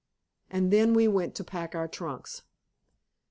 And then we went to pack our trunks.